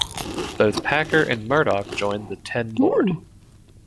Both Packer and Murdoch joined the Ten board.